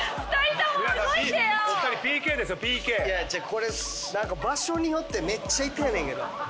これ何か場所によってめっちゃ痛いねんけど。